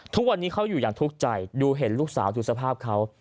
ทุกวันนี้เขาอยู่อย่างทุกข์ใจดูเห็นลูกสาวดูสภาพเขา